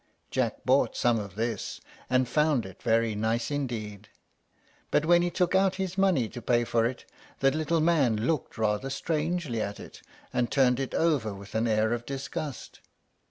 Jack bought some of this, and found it very nice indeed. But when he took out his money to pay for it, the little man looked rather strangely at it, and turned it over with an air of disgust.